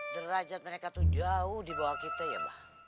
derajat mereka tuh jauh di bawah kita ya